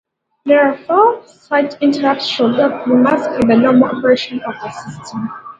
Therefore, such interrupts should not be masked in the normal operation of the system.